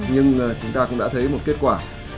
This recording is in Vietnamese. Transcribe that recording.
nhưng chúng ta cũng đã thấy một kết quả